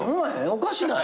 おかしない？